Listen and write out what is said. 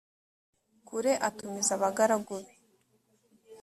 kure atumiza abagaragu be